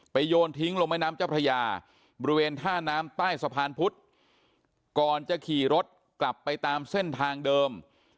ไปโยนทิ้งลงบริเวณท่าน้ำใต้สะพานพุทธก่อนจะขี่รถกลับไปตามเส้นทางเดิม